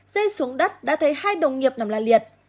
rơi xuống đất đã thấy hai đồng nghiệp nằm la liệt